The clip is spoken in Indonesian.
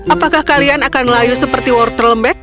apakah kalian akan layu seperti wortel lembek